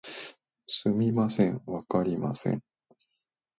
すみません、わかりません